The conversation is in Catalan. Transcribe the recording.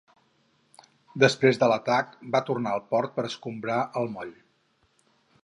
Després de l'atac, va tornar a port per escombrar el moll.